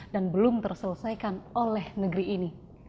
dan belum terselesaikan oleh negeri ini